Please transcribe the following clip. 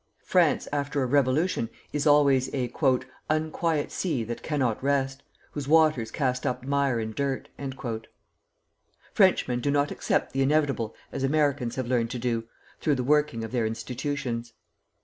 France after a revolution is always an "unquiet sea that cannot rest, whose waters cast up mire and dirt." Frenchmen do not accept the inevitable as Americans have learned to do, through the working of their institutions.